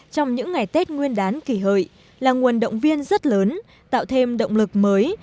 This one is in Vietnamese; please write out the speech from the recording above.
trong những ngày tết nguyên đán kỷ hợi là nguồn động viên rất lớn tạo thêm động lực mới